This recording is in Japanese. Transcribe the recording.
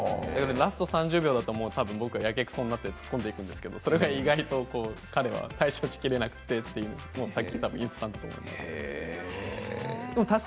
ラスト３０秒だと多分、僕はやけくそになって突っ込んでいくんですけどそれが意外と彼が対処しきれなくてさっき言っていたんだと思います。